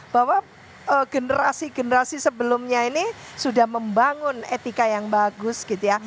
bahwa generasi generasi sebelumnya ini sudah membangun etika yang bagus gitu ya